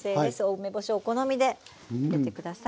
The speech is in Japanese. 梅干しはお好みで入れて下さい。